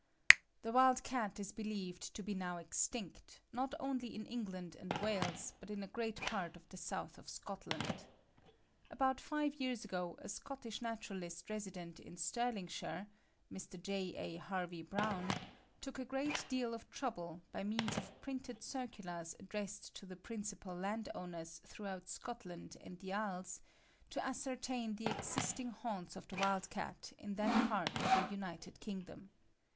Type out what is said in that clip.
"The wild cat is believed to be now extinct, not only in England and Wales, but in a great part of the south of Scotland. About five years ago a Scottish naturalist resident in Stirlingshire (Mr. J. A. Harvie Brown) took a great deal of trouble, by means of printed circulars addressed to the principal landowners throughout Scotland and the Isles, to ascertain the existing haunts of the wild cat in that part of the United Kingdom.